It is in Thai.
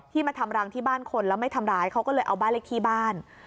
มาทำรังที่บ้านคนแล้วไม่ทำร้ายเขาก็เลยเอาบ้านเลขที่บ้าน